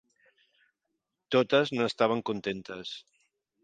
Totes n'estaven contentes.